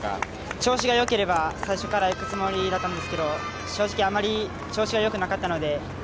調子がよければ、最初から行くつもりだったんですけど正直、あまり調子がよくなかったので。